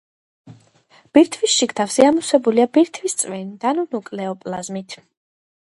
ბირთვის შიგთავსი ამოვსებულია ბირთვის წვენით ანუ ნუკლეოპლაზმით.